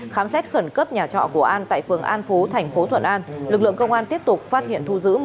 khám xét khẩn cấp nhà trọ của an tại phường an phú thành phố thuận an lực lượng công an tiếp tục phát hiện thu giữ